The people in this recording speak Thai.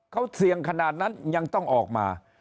เขาเสี่ยงขนาดนั้นยังต้องออกมา